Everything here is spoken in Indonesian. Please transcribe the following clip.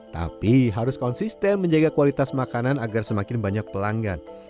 tapi harus konsisten menjaga kualitas makanan agar semakin banyak pelanggan